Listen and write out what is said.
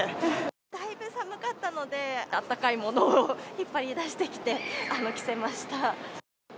だいぶ寒かったので、あったかいものを引っ張り出してきて、着せました。